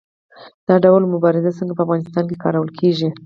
دا ډول مبارزه څنګه په افغانستان کې کارول کیږي؟